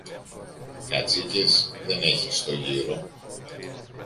Κατσίκες δεν έχει στο γύρο!